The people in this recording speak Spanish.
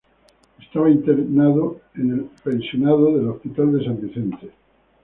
Estaba internado en el pensionado del Hospital de San Vicente.